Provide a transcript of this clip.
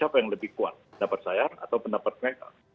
apa yang lebih kuat pendapat saya atau pendapat mereka